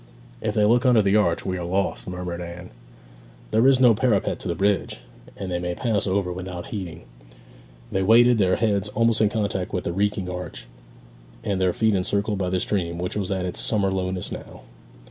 'If they look under the arch we are lost,' murmured Anne. 'There is no parapet to the bridge, and they may pass over without heeding.' They waited, their heads almost in contact with the reeking arch, and their feet encircled by the stream, which was at its summer lowness now.